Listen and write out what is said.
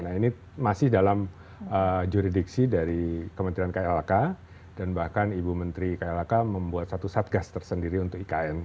nah ini masih dalam juridiksi dari kementerian klk dan bahkan ibu menteri klhk membuat satu satgas tersendiri untuk ikn